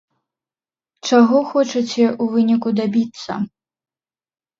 Чаго хочаце ў выніку дабіцца?